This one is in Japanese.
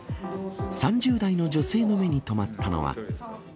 ３０代の女性の目に留まったのは。